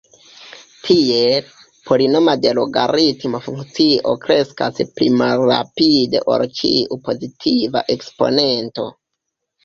Tiel, polinoma de logaritmo funkcio kreskas pli malrapide ol ĉiu pozitiva eksponento.